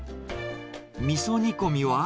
みそ煮込みは。